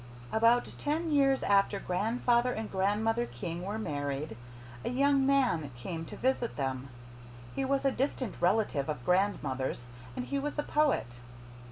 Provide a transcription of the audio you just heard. "About ten years after Grandfather and Grandmother King were married, a young man came to visit them. He was a distant relative of grandmother's and he was a Poet.